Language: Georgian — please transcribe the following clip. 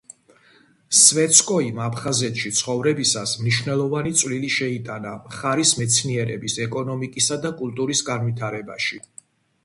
სმეცკოიმ აფხაზეთში ცხოვრებისას მნიშვნელოვანი წვლილი შეიტანა მხარის მეცნიერების, ეკონომიკისა და კულტურის განვითარებაში.